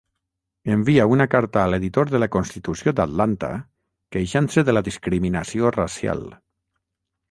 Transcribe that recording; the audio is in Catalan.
Envia una carta a l'editor de la Constitució d'Atlanta queixant-se de la discriminació racial.